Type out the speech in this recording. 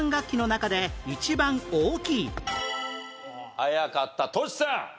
早かったとしさん。